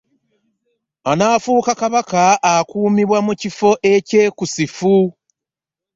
Anaafuuka Kabaka akuumibwa mu kifo ekikusifu.